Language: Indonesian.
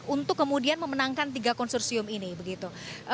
untuk kemudian memenangkan tiga konsorsium ini begitu